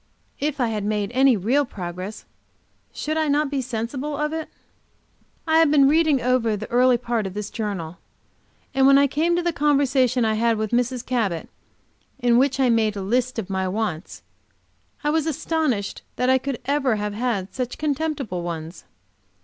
If I had made any real progress, should I not be sensible of it? I have been reading over the early part of this journal, and when I came to the conversation I had with Mrs. Cabot, in which I made a list of my wants, I was astonished that I could ever have had such contemptible ones.